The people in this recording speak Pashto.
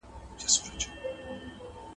دا هغه سياره ده چې ژوند پکې شونی دی.